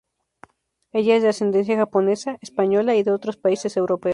Ella es de ascendencia japonesa, española, y de otros países europeos.